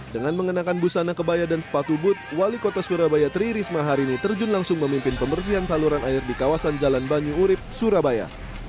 dengan mengenakan busana kebaya dan sepatu but wali kota surabaya tri risma hari ini terjun langsung memimpin pembersihan saluran air di kawasan jalan banyu urib surabaya